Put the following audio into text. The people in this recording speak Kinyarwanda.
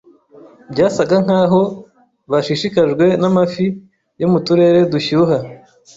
Byasaga nkaho bashishikajwe n’amafi yo mu turere dushyuha.